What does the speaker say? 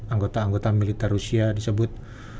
anggota anggota militer rusia disebut